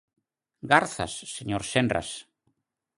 Garzas, señor Senras.